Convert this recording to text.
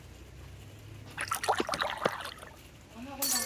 vikundi vya kitaifa Baada ya kuwa jamhuri